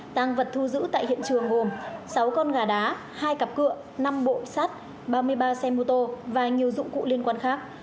tăng vật thu giữ tại hiện trường gồm sáu con gà đá hai cặp cửa năm bộ sắt ba mươi ba xe mô tô và nhiều dụng cụ liên quan khác